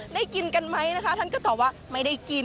ได้กินกันไหมนะคะท่านก็ตอบว่าไม่ได้กิน